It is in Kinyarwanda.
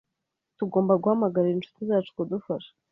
Tugomba guhamagarira inshuti zacu kudufasha